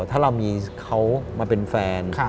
ถ้าเรามีเขามาเป็นแฟน